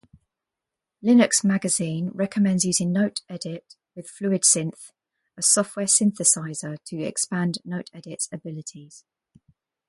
Linux Magazine recommends using NoteEdit with FluidSynth, a software synthesizer, to expand NoteEdit's abilities.